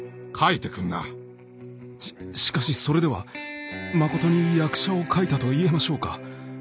ししかしそれではまことに役者を描いたと言えましょうか。